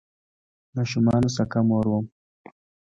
ماشومانو سکه مور وم